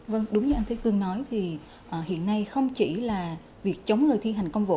vâng đúng như anh thế cương nói thì hiện nay không chỉ là việc chống người thi hành công vụ